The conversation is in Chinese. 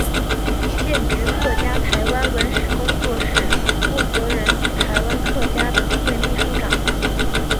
现职客家台湾文史工作室负责人及台湾客家笔会秘书长。